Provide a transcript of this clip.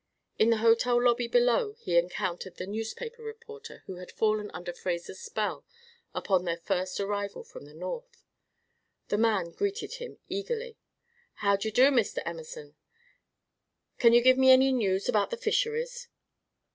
In the hotel lobby below he encountered the newspaper reporter who had fallen under Fraser's spell upon their first arrival from the North. The man greeted him eagerly. "How d'y'do, Mr. Emerson. Can you give me any news about the fisheries?"